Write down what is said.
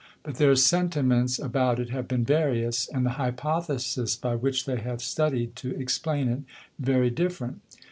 But their Sentiments about it have been various, and the Hypothesis, by which they have studied to explain it, very different.